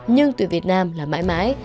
nhưng tuyển việt nam là mãi mãi